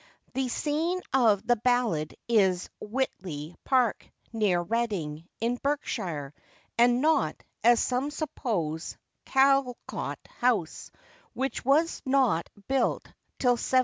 The scene of the ballad is Whitley Park, near Reading, in Berkshire, and not, as some suppose, Calcot House, which was not built till 1759.